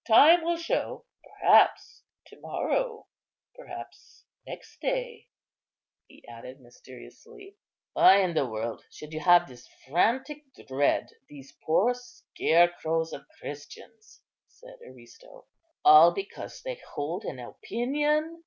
Time will show; perhaps to morrow, perhaps next day," he added, mysteriously. "Why in the world should you have this frantic dread of these poor scarecrows of Christians," said Aristo, "all because they hold an opinion?